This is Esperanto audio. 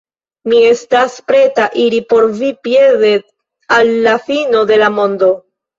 Mi estas preta iri por vi piede al la fino de la mondo.